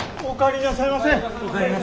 お帰りなさいませ。